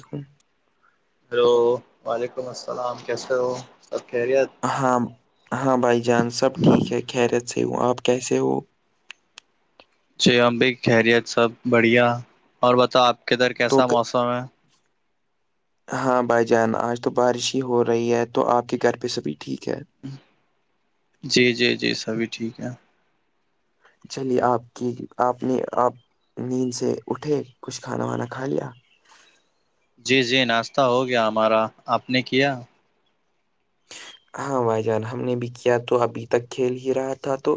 دھو ہلو وعلیکم السلام کیسے ہو سب خیریت ہاں ہاں بھائی جان سب ٹھیک ہے خیرت سے ہوں آپ کیسے ہو جی ہم بھی خیریت سب بڑھیا اور بتاؤ آپ کے ادھر تو کیسا موسم ہے ہاں بھائی جان آج تو بارش ہی ہو رہی ہے تو آپ کے گھر پہ سبھی ٹھیک ہے جی جی جی سبھی ٹھیک ہے چلیے آپ کی آپ نے آپ نیند سے اٹھے کچھ کھانا وانا کھا لیا جی جی ناشتہ ہو گیا ہمارا آپ نے کیا ہاں بھائی جان ہم نے بھی کیا تو ابھی تک کھیل ہی رہا تھا تو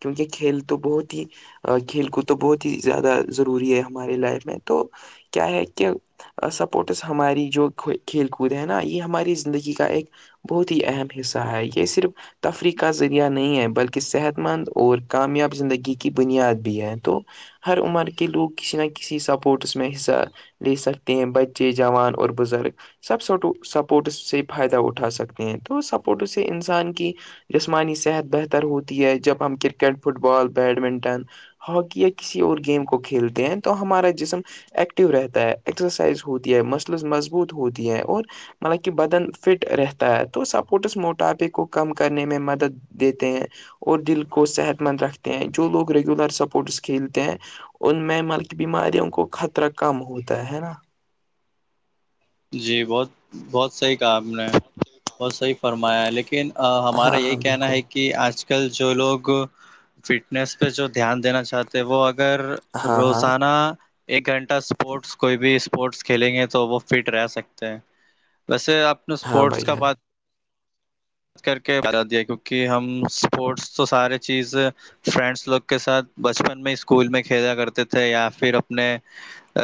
کیونکہ کھیل تو بہت ہی کھیل کود تو بہت ہی زیادہ ضروری ہے ہماراری لائف میں تو کیا ہے کہ سپورٹس ہماری جو کھیل کود ہے نا یہ ہماری زندگی کا ایک بہت ہی اہم حصہ ہے یہ صرف تفریح کا ذریعہ نہیں ہے بلکہ صحت مند اور کامیاب زندگی کی بنیاد بھی ہے تو ہر عمر کے لوگ کسی نہ کسی سپوٹس میں حصہ لے سکتے ہیں بچے جوان اور بزرگ سب سپورٹس سے فائدہ اٹھا سکتے تو سپورٹ اس سے انسان کی جسمانی صحت بہتر ہوتی ہے جب ہم cricket football badminton hockey یا کسی اور گیم کو کھیلتے ہیں تو ہمارا جسم ایکٹو رہتا ہے ایکسرسائز ہوتی ہے مسلس مضبوط ہوتی ہیں اور مطلب کہ بدن فٹ ریتھ ہے تو سپورٹس موٹاپے کو کم کرنے میں مدد دیتے ہیں اور دل کو صحت مند رکھتے ہیں جو لوگ ریگولر سپورٹس کھیلتے ہیں ان میں مل کی بیماریوں کو خطرہ کم ہوتا ہے ہے نا جی بہت بہت صحیح کہا ہم نے بہت صحیح فرمایا ہے لیکن ہمارا ہاں یہی ہاں کہنا بالکل ہے کہ کہ آج کل جو لوگ فٹنس پہ جو دھیان دینا چاہتے تو وہ اگر ہاں ہاں روزانہ ایک گھنٹہ اسپورٹس کوئی بھی اسپورٹس کھیلیں گے تو وہ فٹ رہ سکتے ہیں ویسے آپ نے ہاں اسپورٹس بھائی کا جان بات کر کے بتا دیا کیونکہ ہم اسپورٹس تو سارے چیز فرینڈس لوگ کے ساتھ بچپن میں اسکول میں کھیلا کرتے تھے یا پھر اپنے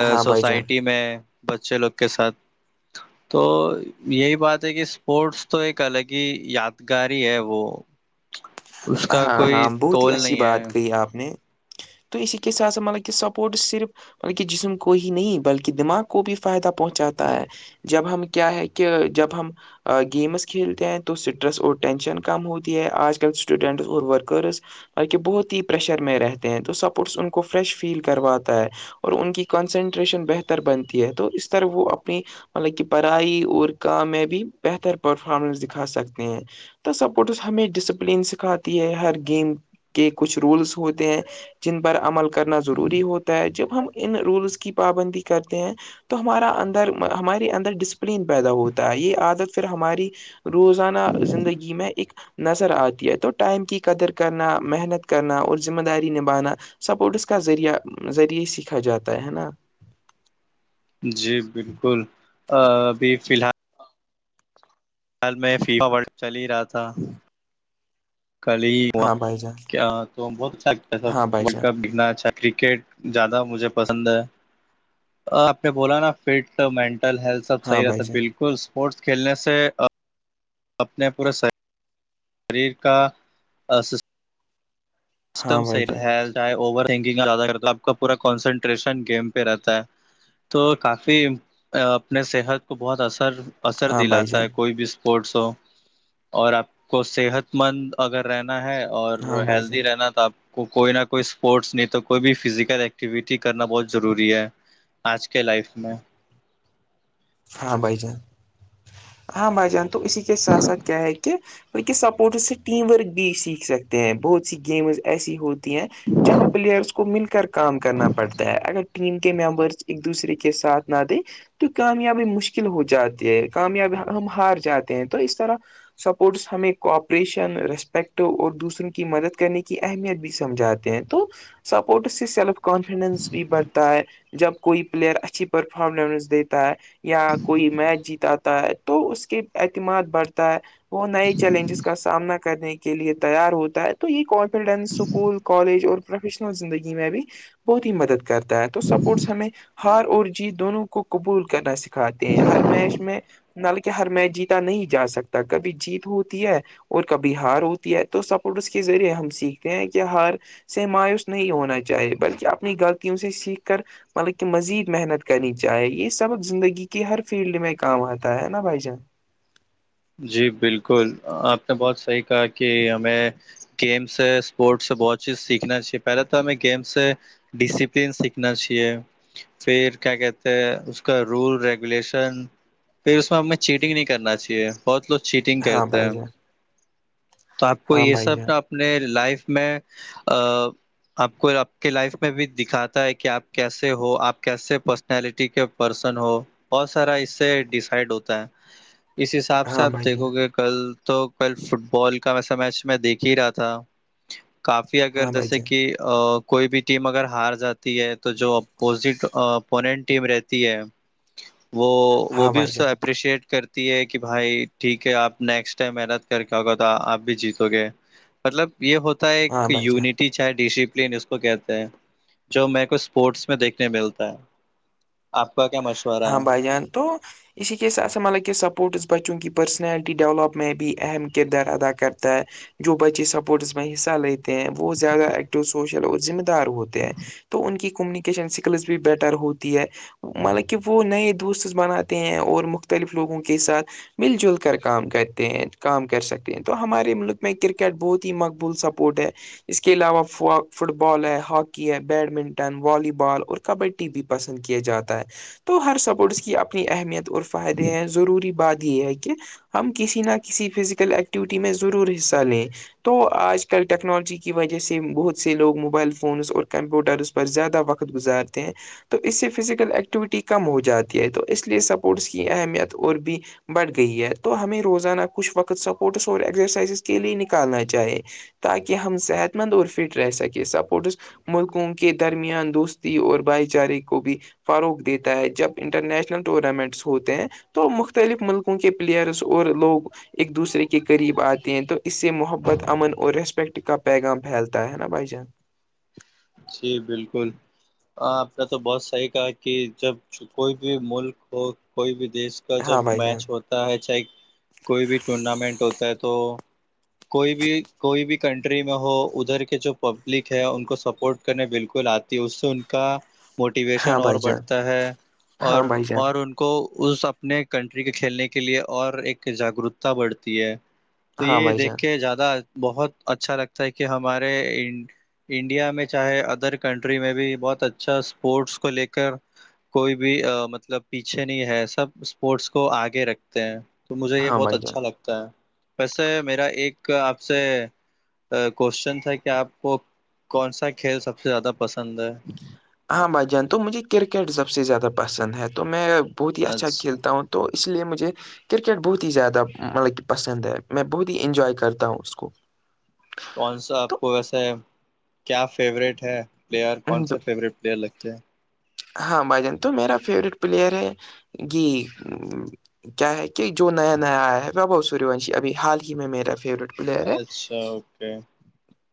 ہاں بھائی جان سوسائٹی میں بچے لوگ کے ساتھ تو یہی بات ہے کہ اسپورٹس تو ایک الگ ہی یادگاری ہے وہ اس کا ہاں کوئی ہاں بہت ہی تول اچھی نہیں بات ہے کہی آپ نے تو اس کےس سات سے مطلب کہ سپورٹس صرف بلکہ جسم کو ہی نہیں بلکہ دماغ کو بھی فائدہ پہنچاتا ہے جب ہم کیا ہے کہ جب ہم گیمس کھیلتے ہیں تو اسٹریس اور ٹینشن کم ہوتی ہے آج کل اسٹوڈیننٹس اور ورکرز کہ بہت ہی پریشر میں رہتے ہیں تو سپورٹس ان کو فریش فیل کرواتا ہے اور ان کی کنسنٹریشن بہتر بنتی ہے تو اس طرح وہ اپنی مطلب کہ پڑھائی اور کا میں بھی بہتر پرفارمنس دکھا سکتے ہیں تو سپورٹس ہمیں ڈسپلین سکھاتی ہے ہر گیم کے کچھ رولس ہوتے ہیں جن پر عمل کرنا ضروری ہوتا ہے جب ہم ان رولس کی پابندی کرتے ہیں تو ہمارا اندر ہمارے اندر ڈسپلن پیدا ہوتا ہے یہ عادت پھر ہماری روزانہ زندگی میں ایک نظر آتی ہے تو ائم کی قدر کرنا محنت کرنا اور ذمہ داری نبھانا سپورٹس کا ذریعہ ذریعے سیکھا جاتا ہے نا جی بالکل ابھی فی الحال خل میں فیا ورل چل ہی رہا تھا کل ہی ہاں بھائی جان کیا تو بہت ہاں بھائی اچھاتاڈ جان کپ دتنا اچھا کرکٹ زیادہ مجھے پسند ہے آپ نے بولا نا فٹ مینٹل ہیلتھ سب ہاں صحیح بھائی رہتا جان بالکل اسپورٹس کھیلنے سے اپنے پورے سح شریر کا ہاں بھائی جان وننگہتا آپ کا پورا کنسنٹریشن گیم پہ رہتا ہے تو کافی اپنے صحت کو بہت اثر اثر ہاں بھائی دلاتا ہے جان کوئی بھی اسپورٹس ہو اور آپ کو صحت مند اگر رہنا ہے اور ہاں بھائی ہیلدی جان رہنا آپ کو کوئی نہ کوئی اسپورٹس نہیں تو کوئی بھی فزیکل ایکٹیویٹی کرنا بہت ضروری ہے آج کے لائف میں ہاں بائی جان ہاں بائی جان تو اسی کے ساتھ ساتھ کیا ہے کہ بلکہ سپورٹس سے ٹیم ورک بھی سیکھ سکتے ہیں بہت سی گیمز ایسی ہوتی ہیں جہاں پلیئرس کو مل کر کے کام کرنا پڑتا ہے اگر ٹیم کے ممبرس ایک دوسرے کے ساتھ نہ دیں تو کامیابی مشکل ہو جاتی ہے کامیابی ہم ہار جاتے ہیں تو اس طرح سپورٹس ہمیں کوآپریشن رسپیکٹ اور دوسروں کی مدد کرنے کی اہمیت بھی سمجھاتے ہیں تو سپورٹ سے سیلف کانفیڈنس بھی بڑھتا ہے جب کوئی پلیئر اچھی پرفارمنس دی تا ہے یا کوئی میچ جیتا ہے تو اس کے اعتماد بڑھتا ہے وہ نئے چیلنجز کا سامنا کرنے کے لیے تیار ہوتا ہے تو یہ کون ڈن اسکول کالج اور پروفیشنل زندگی میں بھی بہت ہی مدد کرتا ہے تو سپورٹس ہمیں ہار اور جیت دونوں کو قبول کرنا سکھاتی ہیں ہر میچ میں نل کے ہر میں جیتا نہیں جا سکتا کبھی جیت ہوتی ہے اور کبھی ہار ہوتی ہے تو سپورٹس کے ذریعے ہم سیکھتے ہیں کہ ہار سے مایوس نہیں ہونا چاہیے بلکہ اپنی غلطیوں سے سیکھ کر مطلب کہ مزید محنت کرنی چاہیے یہ سب زندگی کے ہر فیلڈ میں کام آتا ہے نا بھائی جان جی بالکل آپ نے بہت صحیح کہا کہ ہمیں گیمس ہے اسپورٹس سے بہت چیز سیکھنا چاہیے پہلے تو ہمیں گیمس سے ڈسپلین سیکھنا چاہیے پھر کیا کہتے ہیں اس کا رول ریگولیشن پھر اس میں ہمیں چیٹنگ نہیں کرنا چاہیے بہت لوگ چیٹنگ ہاں کرتے بھائی ہیں جان تو آپ کو ہاں یہ بھائی سب ن جان اپنے لائف میں ا آپ کو آپ کے لائف میں بھی دکھاتا ہے کہ آپ کیسے ہو آپ کیسے پس پرسنلٹی کے پرسن ہو بہت سارا اس سے ڈیسائڈ ہوتا ہے اس حساب ہاں سب بھائی جان دیکھو گے کل تو کل فٹ بال کا ویسا میچ میں دیکھ ہی رہا تھا کافی اگر ہاں بھائی جیسے جان کہ ا کوئی بھی ٹیم اگر ہار جاتی ہے تو جو اپوزٹ اپوننٹ ٹیم رہتی ہے وہ وہ ہاں بھی بھائی اس سے جان اپریشیٹ کرتی ہے کہ بھائی ٹھیک ہے آپ نیکسٹ ٹائم محنت کر کے آگا آپ بھی جیتو گے مطلب یہ ہوتا ہوتا ہاں ایک بھائی جان یونٹی شاید ڈسپلین اس کو کہتے ہیں جو میں کو اسپورٹس میں دیکھنے ملتا ہے آپ کا کیا مشورہ ہاں ہے بھائی جان تو اسی کی ساتھ سمالے کہ سپورٹس بچوں کی پرسنالٹی ڈیولپ میں بھی اہم کردار ادا کرتا ہے جو بچے سپورٹس میں حصہ لتے ہیں وہ زیادہ ایکٹو سوشل اور ذمہ دار ہوتے ہیں تو ان کی کمیونکیشن اسکلس بھی بیٹر ہوتی ہے مطلب کہ وہ نئے دوست بناتے ہیں اور مختلف لوگوں کے ساتھ مل جل کر کام کرتے ہیں کام کر سکتے ہیں تو ہمارے ملک میں کرکٹ بہت ہی مقبول سپورٹ ہے اس کے علاوہ فٹ بال ہے ہاکی ہے بیڈمنٹن والی بال اور کبڈی بھی پسند کیا جاتا ہے تو ہر سپورٹس کی اپنی اہمیت اور فائدے ہیں ضروری بات یہ ہے کہ ہم کسی نہ کسی فزیکل ایکٹیویٹی میں ضرور حصہ لیں تو آج کل ٹیکنالوجی کی وجہ سے بہت سے لوگ موبائل فونس اور کمپیوٹرس پر زیادہ وقت گزارتے ہیں تو اس سے فیزیکل ایکٹیویٹی کم ہو جاتی ہے تو اس لیے سپورٹس کی اہمیت اور بھی بڑھ گئی ہے تو ہمیں روزانہ کچھ وقت سپورٹس اور ایکسرسائزز کے لیے نکالنا چاہے تاکہ ہم صحت مند اور فٹ رہ سکے سپورٹس ملکوں کے درمیان دوستی اور بھائی چارے کو بھی فروغ دیتے تا ہے جب انٹرنیشنل ٹورنامنٹس ہوتے ہیں تو مختلف ملکوں کے پلیئرس اور لوگ ایک دوسرے کے قریب آتے ہیں تو اس سے محبت امن اور ریسپیکٹ کا پیغام پھیلتا ہے نا بھائی جان جی بالکل ہاں آپ نے تو بہت صحیح کہا کہ جب کوئی بھی ملک ہو کوئی بھی دیش کا جب ہاں بھائی جان میچ ہوتا ہے چاہے کوئی بھی ٹورنامنٹ ہوتا ہے تو کوئی بھی کوئی بھی کنٹری میں ہو ادھر کے جو پبلک ہے ان کو سب سپورٹ کرنے بالکل آتی ہے اس سے ان کا موٹیویشن ہاں اور بھائی جان بڑھتا ہے ہاں اور بھائی جان اور ان کو اس اپنے کنٹری کے کھیلنے کے لیے اور ایک جاگروکتا بڑھتی ہے تو ہاں یہ بھائی دیکھ جان کے زیادہ بہت اچھا لگتا ہے کہ ہمارے انڈیا میں چاہے ادر کنٹری میں بھی بہت اچھا اسپورٹس کو لے کر کوئی بھی مطلب پیچھے نہیں ہے سب اسپورٹس کو آگے رکھ تو مجھے یہ ہاں بہت بھائی جان اچھا لگتا ہے ویسے میرا ایک آپ سے کوشچن تھا کہ آپ کو کون سا کھیل سب سے زیادہ پسند ہے بھائی جان تو مجھے کرکٹ سب سے زیادہ پسند ہے تو میں بہت ہی اچھا کھیلتا ہوں تو اس لیے مجھے کرکٹ بہت ہی زیادہ مطلب کہ پسند ہے میں بہت ہی انجوائے کرتا ہوں اس کو کون سا آپ کو ویسے کیا فیوریٹ ہے پلیئر کون تو سا فیوریٹ پلیئر لگ اوکے ہاں بھائی جان تو میرا فیوریٹ پلیئر ہے گ کیا ہے کہ جو نیا نیا آیا ہے و بھو سور ونشی ابھی حال ہی میں میرا فیوریٹ پلیر ہیں اچھا اوکے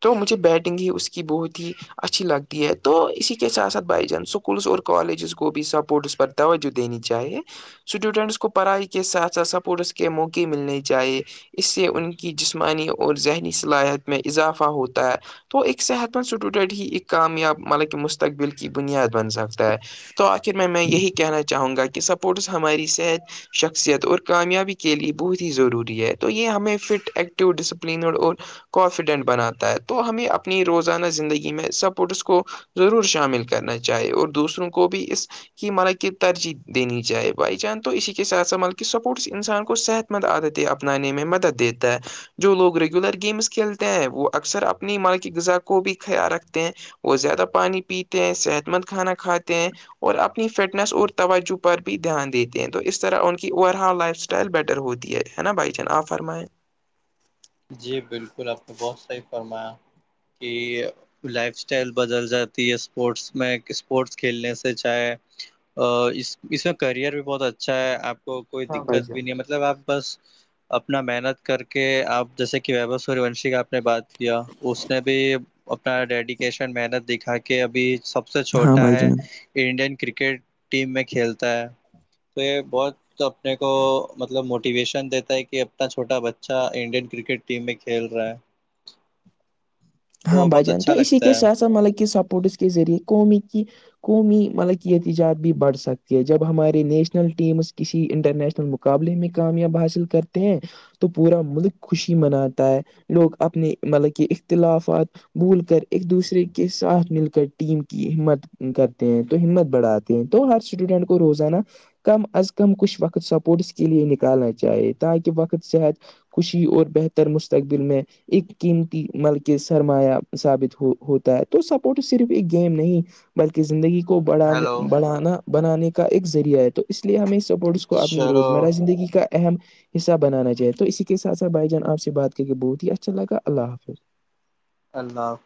تو مجھے بیٹنگ ہی اس کی بہت ہی اچھی لگتی ہے تو اسی کے ساتھ ساتھ بائی چانس اسکولس اور کالجز کو بھی سپورٹس پر توجہ دینی چاہیے اسٹوڈینٹس کو پڑھائی کے ساتھ ساتھ سپورٹس کے موقع ملنے چاہیے اس سے ان کی جسمانی اور ذہنی صلاحیت میں اضافہ ہوتا ہے تو ایک صحت مند اسٹوڈنٹ ہی ایک کامیاب مطلب کہ مستقبل کی بنیاد بن سکتا ہے تو آخر میں میں یہی کہنا چاہوں گا کہ سپورٹس ہماری صحت شخصیت اور کامیابی کے لیے بہت ہی ضروری ہے تو یہ ہمیں فٹ ایکٹیو ڈسپلینڈ اور کانفیڈنٹ بناتا ہے تو ہمیں اپنی روزانہ زندگی میں سپورٹس کو ضرور شامل کرنا چاہے اور دوسروں کو بھی اس کہ مطلب کہ ترجیح دینی جائے بائی چانس تو اسی کے ساتھ س مطلب کہ سپورٹس انسان کو صحت مد عادتیں اپنانے میں مدد دیتا ہے جو لوگ ریگولر گیمس کھیلتے ہیں وہ اکثر اپنی ماں کی غذا کو بھی خیال رکھتے ہیں وہ زیادہ پانی پیتے ہیں صحت مند کھانا کھاتے ہیں اور اپنی فٹنس اور توجہ پر بھی دھیان دیتے ہیں تو اس طرح ان کی اوور ہل لائف اسٹائل ٹائل بیٹر ہوتی ہے نا بھائی چان آپ فرمائائے جی بالکل آپ نے بہت صحیح فرمایا کہ لائف اسٹائل بدل جاتی ہے اسپورٹس میں اسپورٹس کھیلنے سے چاہے اس اس میں کرئر بھی بہت اچھا ہے آپ کو کوئی ہاں بھائی دقت بھی جان نہیں ہے مطلب آپ بس اپنا محنت کر کے آپ جیسے کہ ویبو سور وونشی کا آپ نے بات کیا اس نے بھی اپنا ڈیڈیکیشن محنت دکھا کے ابھی سب سے ہاں چھوٹا بھائی ہے جان انڈین کرکٹ ٹیم میں کھیلتا ہے تو یہ بہت تو اپنے کو مطلب موٹیویشن دیتا ہے کہ اپنا چھوٹا بچہ انڈین کرکٹ ٹیم میں کھیل رہا ہے ہاں تو بہت بجان تو اچھا اسی کےے لگتا ہے س سان مطلب کہ سپوٹس کے ذریعے قومی کی قومی ملک کی احتجاج بھی بڑھ سکتی ہے جب ہمارے نیشنل ٹیمس کسی انٹرنیشنل مقابلے میں کامیاب حاصل کرتے ہیں تو پورا ملک خوشی مناتا ہے لوگ اپنے مطلب کہ اختلاف بھول کر ایک دوسرے کے ساتھ مل کر ٹیم کی ہمت کر تو ہمت بڑھاتے ہیں تو ہر اسٹوڈینٹ کو روزانہ کم از کم کچھ وقت سپورٹس کے لیے نکالنا چاہیے تاکہ وقت صحت خوشی اور بہتر مستقبل میں ایک قیمتی ملک سرمایہ ثابت ہو ہوتا ہے تو سپورٹ صرف ایک گیم نہیں بلکہ زندگی کو بڑھانے ہیلو بڑھانا بنانے کا ایک ذریعہ ہے تو اس لیے ہمیں کو اپنی چلو روزمرہ زندگی کا اہم حصہ بنانا چائے تو اسی کے ساتھ سھ بھائی جان آپ سے بات کر کے بہت ہی اچھا لگا اللہ حافظ اللہ حفظ